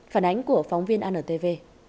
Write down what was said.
phản ánh của phóng viên antv